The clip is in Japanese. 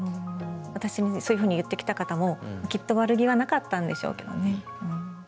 私にそういうふうに言ってきた方もきっと悪気はなかったんでしょうけどね。